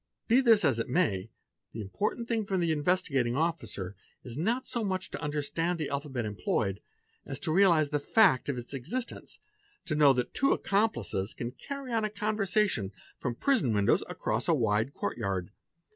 Be this as it may, the important thing for the Investigating Officer is not so much to understand the alphabet employed, as to realize the fact of its existence, to know that two accomplices can carry on a conversation from the prison windows across a wide courtyard.